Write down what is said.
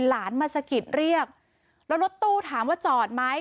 หลานมาสะกิดเรียกแล้วรถตู้ถามว่าจอดไหม